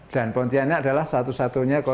dan pontianak adalah satu tempat yang sangat menarik